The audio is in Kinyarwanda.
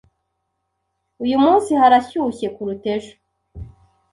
Uyu munsi harashyushye kuruta ejo.